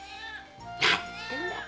何言ってんだい。